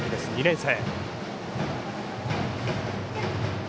２年生。